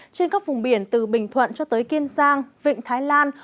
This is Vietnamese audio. trên các vùng biển từ bình thuận cho tới kiên giang vịnh thái lan